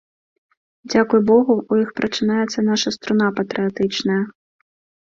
Дзякуй богу, у іх прачынаецца наша струна патрыятычная.